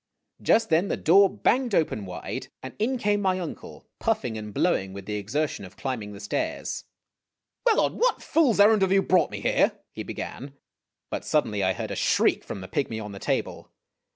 Just then the door banged open wide, and in came my uncle, purring and blowing with the exertion of climbing the stairs. "Well, on what fool's errand have you brought me here " he began ; but suddenly I heard a shriek from the pygmy on the table.